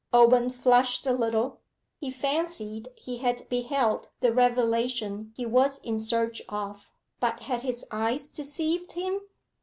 Owen flushed a little. He fancied he had beheld the revelation he was in search of. But had his eyes deceived him?